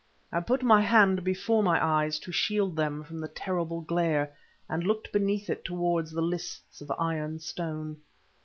I put my hand before my eyes to shield them from the terrible glare, and looked beneath it towards the lists of iron stone.